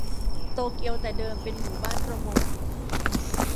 โตเกียวแต่เดิมเป็นหมู่บ้านประมง